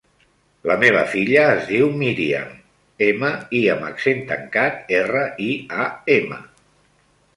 La meva filla es diu Míriam: ema, i amb accent tancat, erra, i, a, ema.